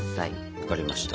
分かりました。